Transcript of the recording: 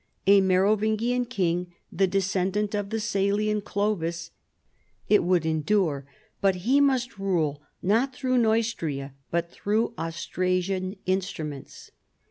A Merovingian king, the descendant of tiie Salian Clovis, it would endure, but he must rule, not through Neustrian but through Austrasian in struments.